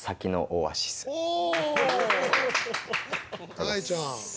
たいちゃん。